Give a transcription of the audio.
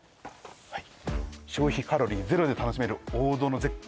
はい消費カロリー０で楽しめる王道の絶景